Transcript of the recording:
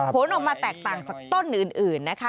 ผลออกมาแตกต่างจากต้นอื่นนะคะ